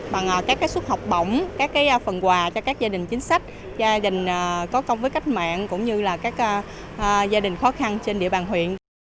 bằng các suất học bổng các phần quà cho các gia đình chính sách gia đình có công với cách mạng cũng như là các gia đình khó khăn trên địa bàn huyện